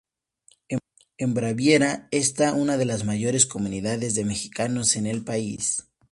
En Baviera, está una de las mayores comunidades de mexicanos en el país.